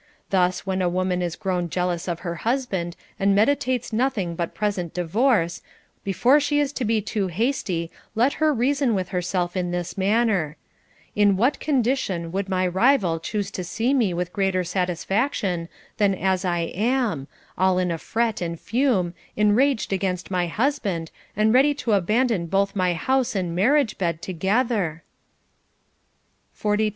Thus, when a woman is grown jealous of her husband and meditates nothing but present divorce, before she be too hasty, let her reason with herself in this manner : In what condition would my rival choose to see me with greater satisfaction than as I am, all in a fret and fume, enraged against my husband, and ready to abandon both my house and marriage bed together \ 42.